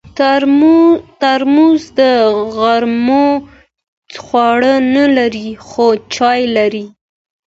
ترموز د غرمو خواړه نه لري، خو چای لري.